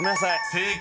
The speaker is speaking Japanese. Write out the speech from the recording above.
［正解！